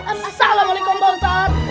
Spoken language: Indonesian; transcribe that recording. assalamualaikum pak ustadz